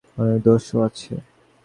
ঐ ব্যবস্থার অনেক গুণ আছে, অনেক দোষও আছে।